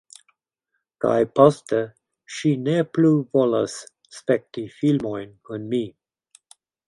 Kaj poste, ŝi ne plu volas spekti filmojn kun mi.